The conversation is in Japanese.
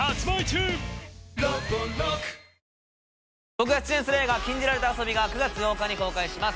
僕が出演する映画「禁じられた遊び」が９月８日に公開します